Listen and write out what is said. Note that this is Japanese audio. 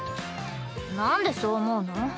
なんでそう思うの？